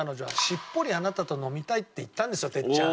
「しっぽりあなたと飲みたい」って言ったんですよ哲ちゃん。